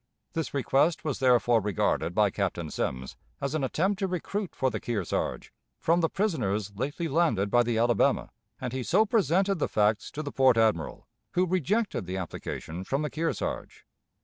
This request was therefore regarded by Captain Semmes as an attempt to recruit for the Kearsarge from the prisoners lately landed by the Alabama, and he so presented the facts to the port admiral, who rejected the application from the Kearsarge.